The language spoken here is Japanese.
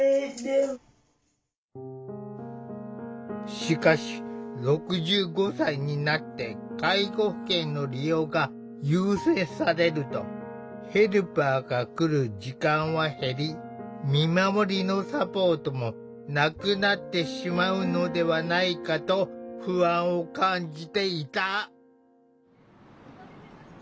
しかし６５歳になって介護保険の利用が優先されるとヘルパーが来る時間は減り「見守り」のサポートもなくなってしまうのではないかと不安を感じていた。